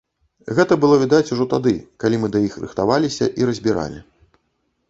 Гэта было відаць ужо тады, калі мы да іх рыхтаваліся і разбіралі.